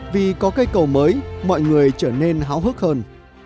vì có cây cầu mới mọi người trở nên háo hức hơn